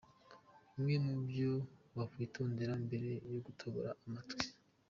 Bimwe mu byo wakwitondera mbere yo gutobora amatwi.